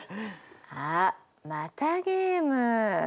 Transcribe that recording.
あっまたゲーム。